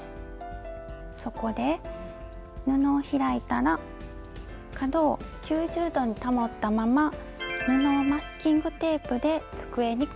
そこで布を開いたら角を９０度に保ったまま布をマスキングテープで机に固定します。